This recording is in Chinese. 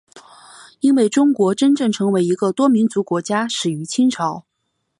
因为中国真正成为一个多民族国家始于清朝。